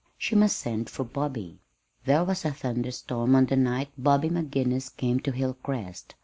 She must send for Bobby. There was a thunder storm on the night Bobby McGinnis came to Hilcrest.